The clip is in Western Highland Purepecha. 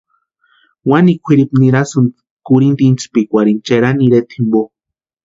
Wani kwʼiripu nirasïnti kurhinta intspikwarhini Cherani ireta jimpo.